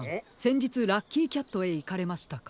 じつラッキーキャットへいかれましたか？